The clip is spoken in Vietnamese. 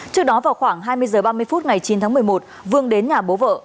trước đó vào khoảng hai mươi h ba mươi phút ngày chín tháng một mươi một vương đến nhà bố vợ